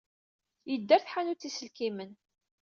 Yedda ɣer tḥanut n yiselkimen.